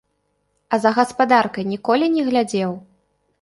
А за гаспадаркай ніколі не глядзеў?